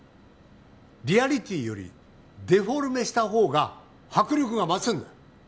リアリティーよりデフォルメした方が迫力が増すんだよ